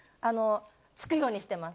つくようにしてます。